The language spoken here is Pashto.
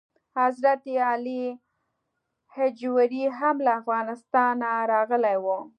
حضرت علي هجویري هم له افغانستانه راغلی و.